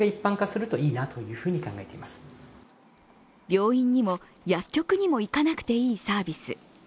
病院にも薬局にも行かなくていいサービス。